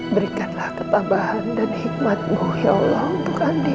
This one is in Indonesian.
berikanlah ketabahan dan hikmatmu ya allah untuk andi